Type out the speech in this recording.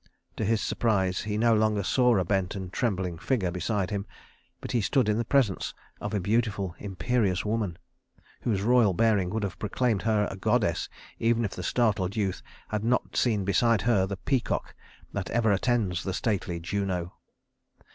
To his surprise he no longer saw a bent and trembling figure beside him, but he stood in the presence of a beautiful, imperious woman, whose royal bearing would have proclaimed her a goddess even if the startled youth had not seen beside her the peacock that ever attends the stately Juno.